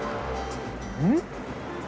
うん？